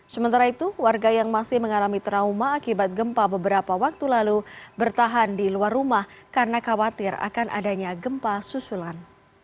sementara itu warga yang masih mengalami trauma akibat gempa beberapa waktu lalu bertahan di luar rumah karena khawatir akan adanya gempa susulan